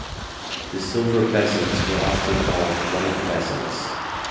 The silver bezants were often called "white bezants".